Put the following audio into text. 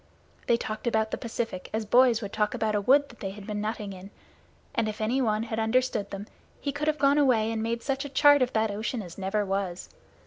They talked about the Pacific as boys would talk about a wood that they had been nutting in, and if anyone had understood them he could have gone away and made such a chart of that ocean as never was.